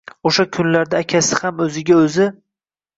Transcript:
O`sha kunlarda akasi ham o`ziga o`zi